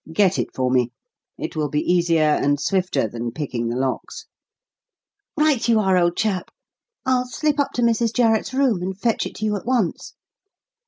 Get it for me. It will be easier and swifter than picking the locks." "Right you are, old chap. I'll slip up to Mrs. Jarret's room and fetch it to you at once."